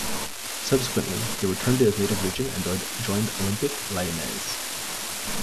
Subsequently, he returned to his native region and joined Olympique Lyonnais.